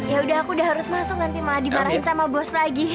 ya udah aku udah harus masuk nanti malah dimarahin sama bos lagi